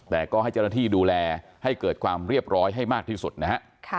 แต่ก็ให้เจ้าหน้าที่ดูแลให้เกิดความเรียบร้อยให้มากที่สุดนะฮะ